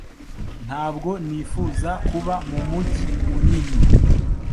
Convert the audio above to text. Ntabwo nifuza kuba mu mujyi munini.